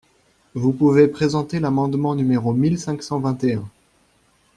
Vous pouvez présenter l’amendement numéro mille cinq cent vingt et un.